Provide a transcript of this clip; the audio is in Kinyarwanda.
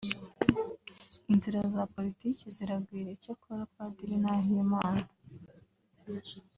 Inzira za politiki ziragwira icyakora Padiri Nahimana